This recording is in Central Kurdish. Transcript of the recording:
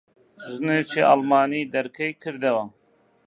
ژنێکی ئەڵمانی دەرکەی کردەوە.